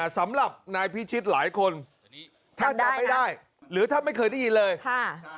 สำหรับนายพิชิตหลายคนถ้าจำไม่ได้หรือถ้าไม่เคยได้ยินเลยค่ะ